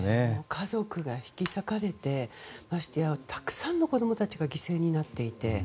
家族が引き裂かれてましてや、たくさんの子供たちが犠牲になっていて。